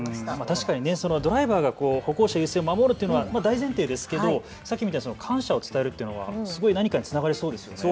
確かにドライバーが歩行者優先を守るというのは大前提ですがさっきみたいに感謝を伝えるというのは何かにつながりそうですよね。